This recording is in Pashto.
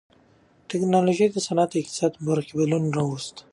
ټکنالوژۍ د صنعت او اقتصاد په برخو کې بدلون راوست.